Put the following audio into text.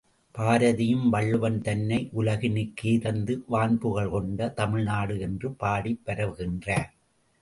பாரதியும் வள்ளுவன் தன்னை உலகினுக்கே தந்து வான்புகழ் கொண்ட தமிழ்நாடு என்று பாடிப் பரவுகின்றார்.